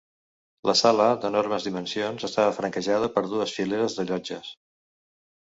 La sala, d'enormes dimensions, estava franquejada per dues fileres de llotges.